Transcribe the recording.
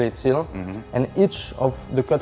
และเซียนของอังกฤษ